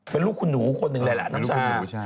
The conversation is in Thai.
เป็นลูกคุณหนูคนหนึ่งเลยแหละน้ำชา